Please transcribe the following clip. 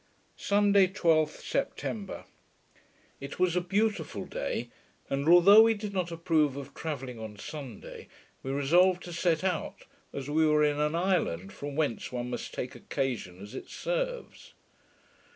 Sunday, 12th September It was a beautiful day, and although we did not approve of travelling on Sunday, we resolved to set out, as we were in an island from whence one must take occasion as it serves.